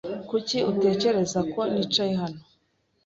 Kuki utekereza ko nicaye hano?